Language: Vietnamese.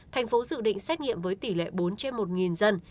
tp hcm dự định xét nghiệm với tỷ lệ bốn trên một dân